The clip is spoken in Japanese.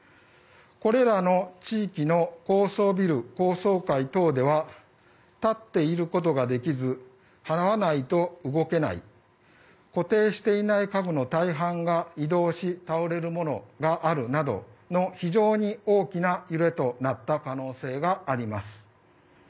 これらの地域の高層ビル、高層階等では立っていることができずはわないと動けない固定していない家具の大半が移動し、倒れるものがあるなどの非常に大きな揺れとなった可能性があります。